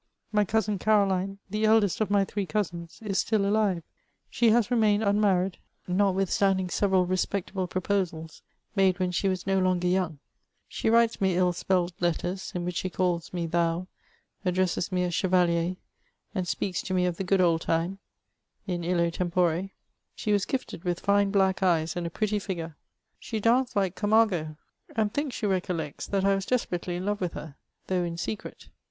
My cousin Caroline, the eldest of my three cousins, is still alive. She has remained unmarried, notwith standing several respectable proposals, made when she was no longer young. She writes me ill spelt letters, in which she calls me thoUy addresses me as chevaUery and speaks to me of the good old time : in illo tempore. She was gifted with fine black eyes and a pretty figure ; she danced like Camargo, and thinks she recollects that I was desperately in love with her, though in secret.